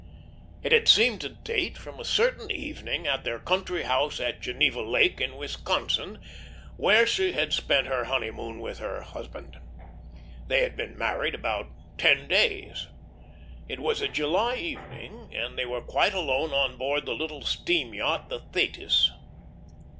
It had seemed to date from a certain evening at their country house at Geneva Lake in Wisconsin, where she had spent her honeymoon with her husband. They had been married about ten days. It was a July evening, and they were quite alone on board the little steam yacht the "Thetis."